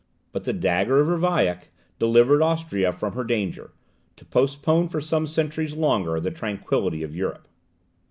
But the dagger of Ravaillac delivered Austria from her danger, to postpone for some centuries longer the tranquillity of Europe.